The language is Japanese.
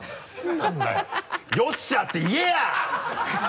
「よっしゃ」って言えや！